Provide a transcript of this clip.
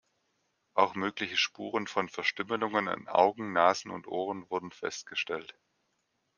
Auch mögliche Spuren von Verstümmelungen an Augen, Nasen und Ohren wurden festgestellt.